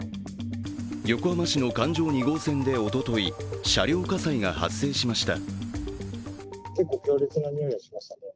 横浜市の環状２号線でおととい、車両火災が発生しました。